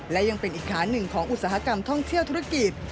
และยังเป็นอีกขาหนึ่งของอุตสาหกรรมท่องเที่ยวธุรกิจ